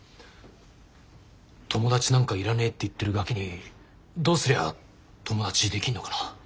友達なんかいらねえって言ってるガキにどうすりゃ友達できんのかな？